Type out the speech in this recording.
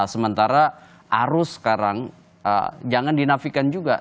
sementara arus sekarang jangan dinafikan juga